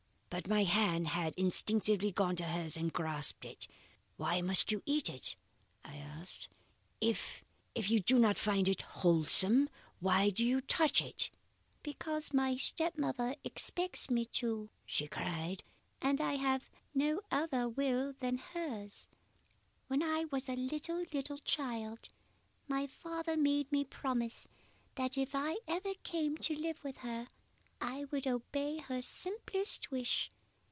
"But my hand had instinctively gone to hers and grasped it. "'Why must you eat it?' I asked. 'If if you do not find it wholesome, why do you touch it?' "'Because my step mother expects me to,' she cried, 'and I have no other will than hers. When I was a little, little child, my father made me promise that if I ever came to live with her I would obey her simplest wish.